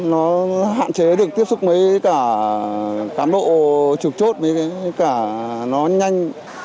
nó hạn chế được tiếp xúc với cả cán bộ trực chốt với cả nó nhanh